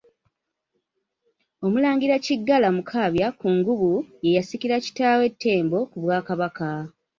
OMULANGIRA Kiggala Mukaabya Kkungubu ye yasikira kitaawe Ttembo ku Bwakabaka.